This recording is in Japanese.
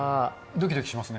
ドキドキしますね。